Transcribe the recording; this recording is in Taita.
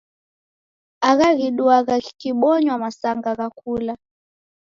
Agha ghiduagha ghikibonywa masanga gha kula.